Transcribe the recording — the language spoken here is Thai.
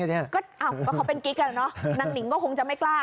อ้าวเขาเป็นกิ๊กอ่ะเนอะนางนิ๋งก็คงจะไม่กล้า